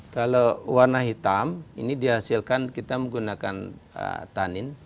kalau warna hitam ini dihasilkan kita menggunakan tanin